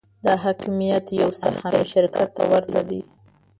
دا حاکمیت یو سهامي شرکت ته ورته دی.